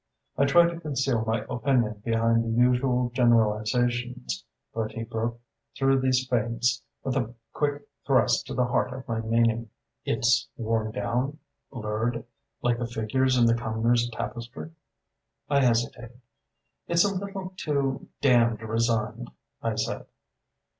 I tried to conceal my opinion behind the usual generalisations, but he broke through these feints with a quick thrust to the heart of my meaning. "It's worn down blurred? Like the figures in the Cumnors' tapestry?" I hesitated. "It's a little too damned resigned," I said.